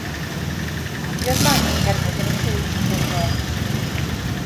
Mi oedd Mari'n cerdded yn ei chwsg bob nos.